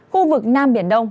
khu vực nam biển đông